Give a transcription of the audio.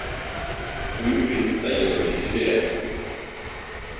Вы предстаете себе!